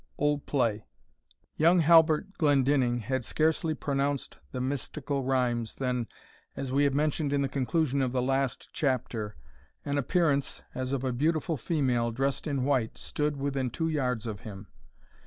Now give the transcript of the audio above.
OLD PLAY. Young Halbert Glendinning had scarcely pronounced the mystical rhymes, than, as we have mentioned in the conclusion of the last chapter, an appearance, as of a beautiful female, dressed in white, stood within two yards of him.